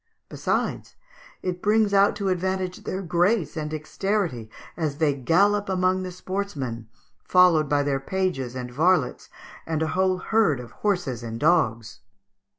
Besides, it brings out to advantage their grace and dexterity as they gallop amongst the sportsmen, followed by their pages and varlets and a whole herd of horses and dogs."